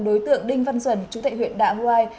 đối tượng đinh văn xuân chủ tệ huyện đạ hoai